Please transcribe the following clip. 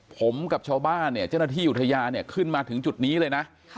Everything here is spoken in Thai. ผมกับชาวบ้านเนี่ยเจ้าหน้าที่อุทยานเนี่ยขึ้นมาถึงจุดนี้เลยนะ